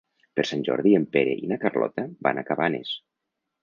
Per Sant Jordi en Pere i na Carlota van a Cabanes.